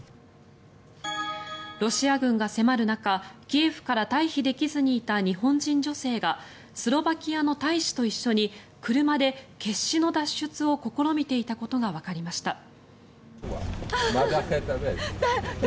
ロシア軍が迫る中キエフから退避できずにいた日本人女性がスロバキアの大使と一緒に車で決死の脱出を試みていたことがわかりました。